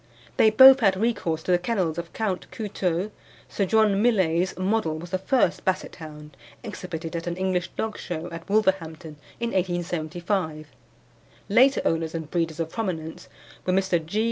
They both had recourse to the kennels of Count Couteulx. Sir John Millais' Model was the first Basset hound exhibited at an English dog show, at Wolverhampton in 1875. Later owners and breeders of prominence were Mr. G.